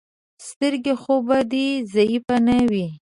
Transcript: سترګې خو به دې ضعیفې نه وي.